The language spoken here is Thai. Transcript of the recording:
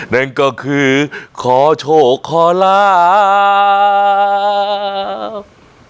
นั่นก็คือขอโชคขอลาบ